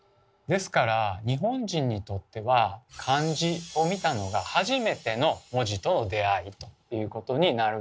ですから日本人にとっては漢字を見たのが初めての文字との出会いということになるかと思います。